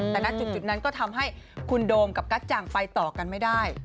แต่ณจุดนั้นก็ทำให้คุณโดมกับกัจจังไปต่อกันไม่ได้